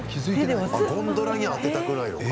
あっ、ゴンドラには当てたくないのか。